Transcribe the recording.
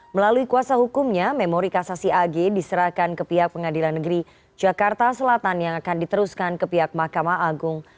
melalui kuasa hukumnya memori kasasi ag diserahkan ke pihak pengadilan negeri jakarta selatan yang akan diteruskan ke pihak mahkamah agung